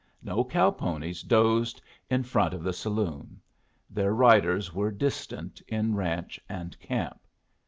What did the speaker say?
No cow ponies dozed in front of the saloon. Their riders were distant in ranch and camp.